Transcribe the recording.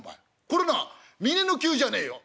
これな峯の灸じゃねえよ